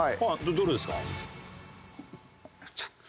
どれですか？